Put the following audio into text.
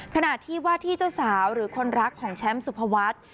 ขณะที่ว่าที่เจ้าสาวหรือคนรักของแชมป์สุภวัฒน์